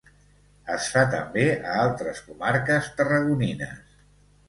Es fa també a altres comarques tarragonines.